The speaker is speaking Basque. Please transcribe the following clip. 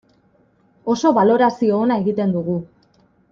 Oso balorazio ona egiten dugu.